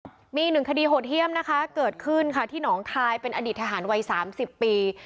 อีกหนึ่งคดีโหดเยี่ยมนะคะเกิดขึ้นค่ะที่หนองคายเป็นอดีตทหารวัยสามสิบปี